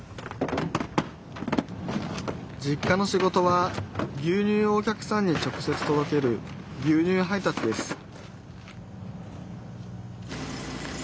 実家の仕事は牛乳をお客さんに直接とどける牛乳配達です